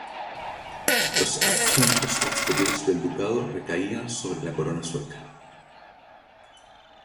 Los asuntos exteriores del ducado recaían sobre la corona sueca.